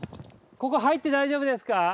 ここ入って大丈夫ですか？